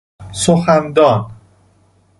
سخن دان